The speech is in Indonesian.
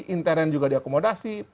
intern juga diakomodasi